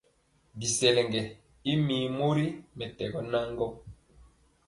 Bisɛlege y mi mori mɛtɛgɔ nan gɔ.